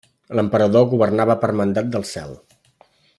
L'emperador governava per mandat del Cel.